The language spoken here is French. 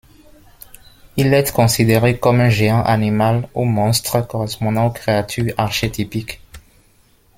Il est considéré comme un géant animal ou monstre correspondant aux créatures archétypiques.